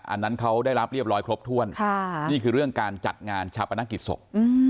อันนั้นเขาได้รับเรียบร้อยครบถ้วนนี่คือเรื่องการจัดงานชาปนกิจศพ